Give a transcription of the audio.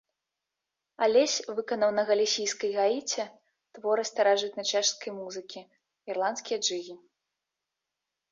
Алесь выканаў на галісійскай гаіце творы старажытнай чэшскай музыкі, ірландскія джыгі.